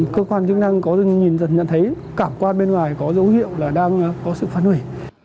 cơ quan chức năng có nhìn dần nhận thấy cảm quan bên ngoài có dấu hiệu là đang có sự phân hủy